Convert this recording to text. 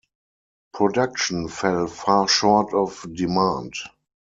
Production fell far short of demand.